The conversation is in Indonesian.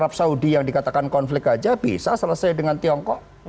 arab saudi yang dikatakan konflik aja bisa selesai dengan tiongkok